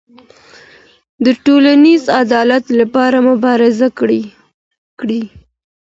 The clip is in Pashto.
د ټولنیز عدالت لپاره مبارزه کيږي.